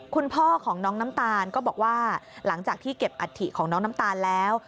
คุณพ่อของน้องน้ำตาลก็บอกว่าหลังจากที่เก็บอัฐิของน้องน้ำตาลแล้ว